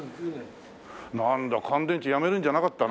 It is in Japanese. なんだ乾電池やめるんじゃなかったな。